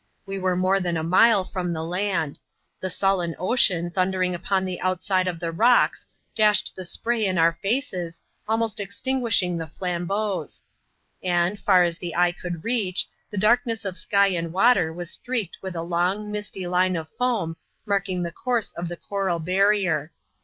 We were more than a mile from the land ; the sullen ocean thundering upon the out side of the rocks, dashed the spray in our faces, almost extin guishing the flambeaux ; and, far as the eye could reach, the darkness of sky and water was streaked with a long, misty line of foam, marking the course of the coral barrier.